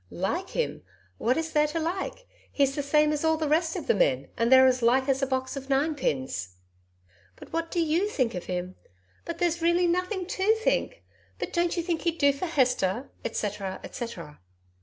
"Like him? What is there to like? He's the same as all the rest of the men, and they're as like as a box of ninepins..." "But what do you think of him...?" "But really there's nothing to think" ... "But don't you think he'd do for Hester?" etcetera, etcetera.